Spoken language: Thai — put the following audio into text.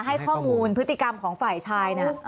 ให้ข้อมูลพฤติกรรมของฝ่ายชายนะ